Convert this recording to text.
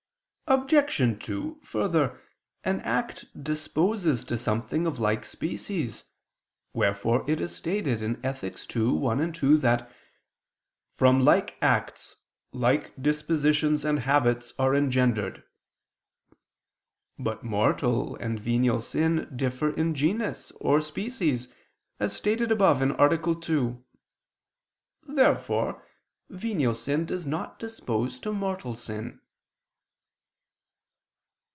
Obj. 2: Further, an act disposes to something of like species, wherefore it is stated in Ethic. ii, 1, 2, that "from like acts like dispositions and habits are engendered." But mortal and venial sin differ in genus or species, as stated above (A. 2). Therefore venial sin does not dispose to mortal sin.